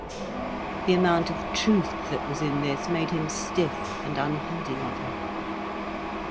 The amount of truth that was in this made him stiff and unheeding of her.